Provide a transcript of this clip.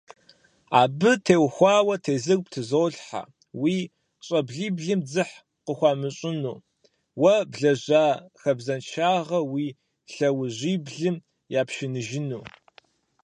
Абы теухуауэ тезыр птызолъхьэ: уи щӀэблиблым дзыхь къыхуамыщӏыну, уэ блэжьа хабзэншагъэр уи лъэужьиблым япшыныжыну.